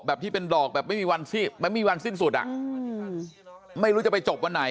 แบบที่เป็นดอกไม่มีวันสิ้นสุดอะไม่รู้จะไปจบวันไหน